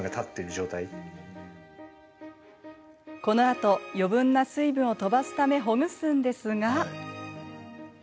このあと余分な水分を飛ばすためほぐすんですが。